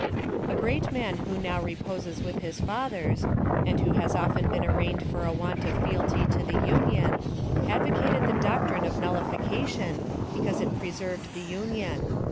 "A great man who now reposes with his fathers, and who has often been arraigned for a want of fealty to the Union, advocated the doctrine of nullification because it preserved the Union.